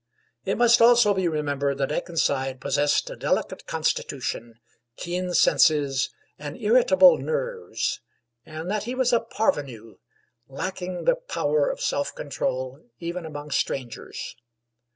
It must also be remembered that Akenside possessed a delicate constitution, keen senses, and irritable nerves; and that he was a parvenu, lacking the power of self control even among strangers.